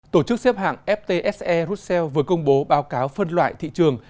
tổ chức xếp hạng ftse russels vừa công bố báo cáo phân loại thị trường